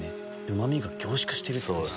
うま味が凝縮してるってこと。